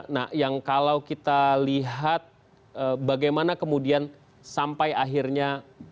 nah yang kalau kita lihat bagaimana kemudian sampai akhirnya